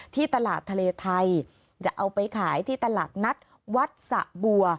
ที่ตลาดทะเลไทยจะเอาไปขายที่ตลาดนัดวัดสะบัว